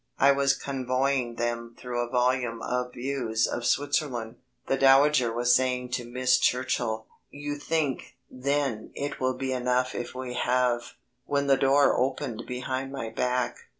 I was convoying them through a volume of views of Switzerland, the dowager was saying to Miss Churchill: "You think, then, it will be enough if we have...." When the door opened behind my back.